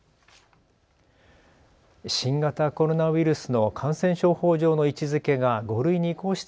新型コロナウイルスの感染症法上の位置づけが５類に移行した